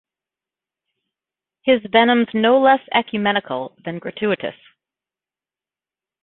His venom's no less ecumenical than gratuitous.